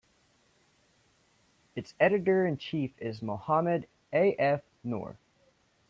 Its editor-in-chief is Mohamed A. F. Noor.